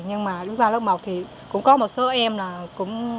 nhưng mà bước qua lớp một thì cũng có một số em là cũng